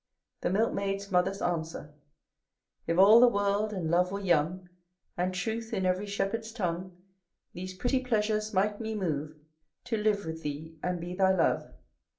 The Milk maid's mother's answer If all the world and love were young And truth in every shepherd's tongue, These pretty pleasures might me move To live with thee, and be thy love.